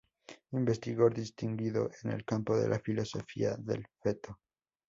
Investigador distinguido en el campo de la fisiología del feto.